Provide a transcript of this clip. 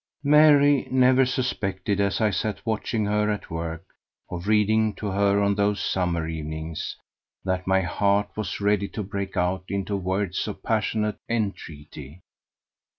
Mary never suspected, as I sat watching her at work, or reading to her on those summer evenings, that my heart was ready to break out into words of passionate entreaty.